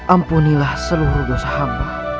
ampunilah seluruh dosa hamba